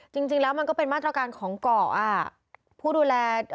จริงแล้วมันก็เป็นมาตรการของเกาะ